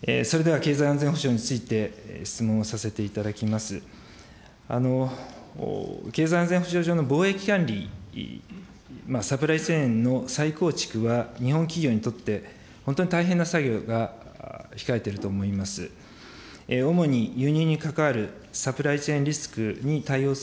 経済安全保障上の貿易管理、サプライチェーンの再構築は、日本企業にとって本当に大変な作業が控えていると思います。